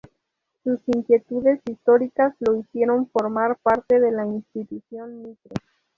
Sus inquietudes históricas lo hicieron formar parte de la Institución Mitre.